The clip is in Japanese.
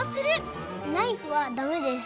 ナイフはダメです。